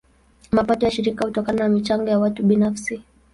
Mapato ya shirika hutokana na michango ya watu binafsi.